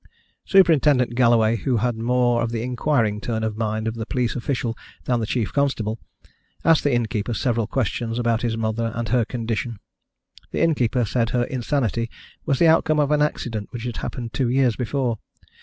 Superintendent Galloway, who had more of the inquiring turn of mind of the police official than the chief constable, asked the innkeeper several questions about his mother and her condition. The innkeeper said her insanity was the outcome of an accident which had happened two years before.